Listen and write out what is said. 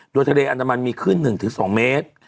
โดยทะเลอันดามันมีขึ้น๑๒เมตร